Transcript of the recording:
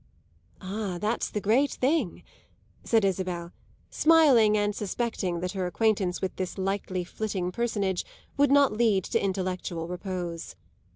"Ah, that's the great thing," said Isabel, smiling and suspecting that her acquaintance with this lightly flitting personage would not lead to intellectual repose.